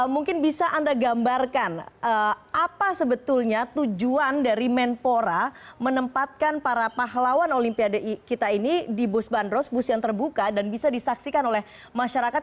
mungkin bisa anda gambarkan apa sebetulnya tujuan dari menpora menempatkan para pahlawan olimpiade kita ini di bus bandros bus yang terbuka dan bisa disaksikan oleh masyarakat